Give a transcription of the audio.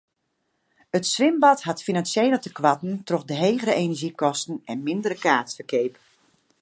It swimbad hat finansjele tekoarten troch de hegere enerzjykosten en mindere kaartferkeap.